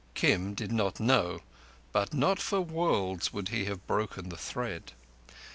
Kim did not know, but not for worlds would he have broken the thread.